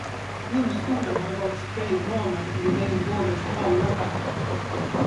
Rullstolen hade varit spraymålad i regnbågens alla färger.